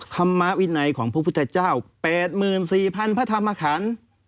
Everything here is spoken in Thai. ธรรมวินัยของพระพุทธเจ้าแปดหมื่นสี่พันธรรมคัณ